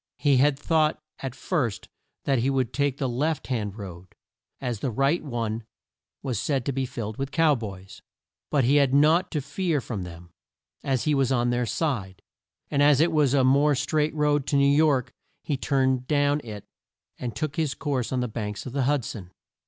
He had thought at first that he would take the left hand road, as the right one was said to be filled with Cow Boys. But he had naught to fear from them, as he was on their side; and as it was a more straight road to New York, he turned down it and took his course on the banks of the Hud son.